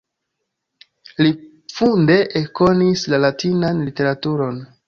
Li funde ekkonis la Latinan literaturon.